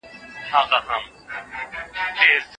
موږ بايد د مطالعې فرهنګ د هېواد په هر ګوټ کي خپور کړو.